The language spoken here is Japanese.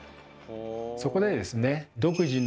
そこでですね